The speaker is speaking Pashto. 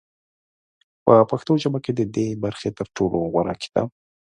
په پښتو ژبه کې د دې برخې تر ټولو غوره کتاب